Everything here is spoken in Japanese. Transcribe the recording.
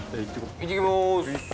いってきます。